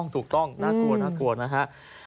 ถูกต้องน่ากลัวนะคะ